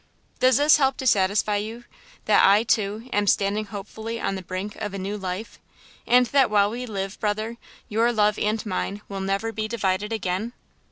Does this help to satisfy you that I, too, am standing hopefully on the brink of a new life, and that while we live, brother, your love and mine will never be divided again?"